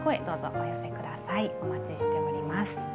お待ちしております。